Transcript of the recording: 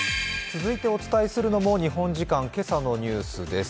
続いてお伝えするのも日本時間今朝のニュースです。